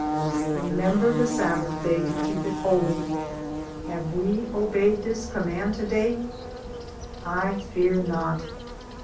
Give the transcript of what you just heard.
"Remember the Sabbath Day to keep it holy." Have we obeyed this command to DAYS ON THE ROAD. 29 day? I fear not.